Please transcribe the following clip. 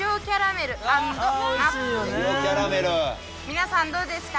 皆さんどうですか。